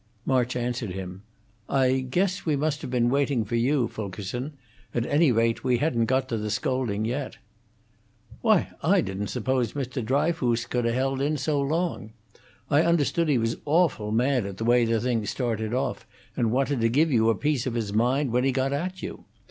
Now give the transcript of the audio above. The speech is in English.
March answered him. "I guess we must have been waiting for you, Fulkerson. At any rate, we hadn't got to the scolding yet." "Why, I didn't suppose Mr. Dryfoos could 'a' held in so long. I understood he was awful mad at the way the thing started off, and wanted to give you a piece of his mind, when he got at you.